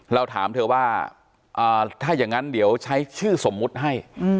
เราถามเธอว่าถ้าอย่างนั้นเดี๋ยวใช้ชื่อสมมุติให้